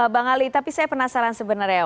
bang ali tapi saya penasaran sebenarnya